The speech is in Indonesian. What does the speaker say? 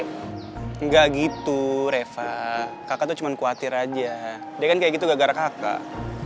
enggak gitu reva kakak tuh cuma khawatir aja dia kan kayak gitu gara gara kakak